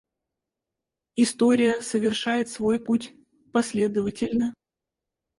История совершает свой путь последовательно.